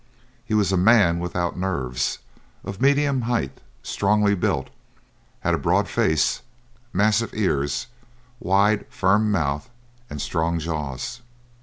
He was a man without nerves, of medium height, strongly built, had a broad face, massive ears, wide, firm mouth, and strong jaws.